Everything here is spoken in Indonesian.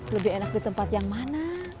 lebih enak di tempat yang mana